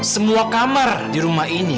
semua kamar di rumah ini